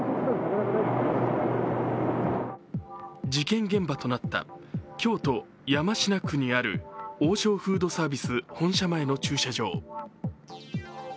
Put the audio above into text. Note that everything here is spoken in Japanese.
事件現場となった京都市山科区にある王将フードサービス本社前の駐車場。